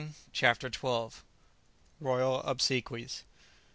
CHAPTER XII. ROYAL OBSEQUIES.